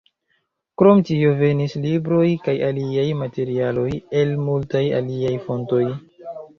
Krom tio, venis libroj kaj aliaj materialoj el multaj aliaj fontoj.